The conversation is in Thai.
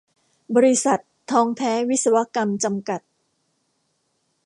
บริษัท ทองแท้วิศวกรรม จำกัด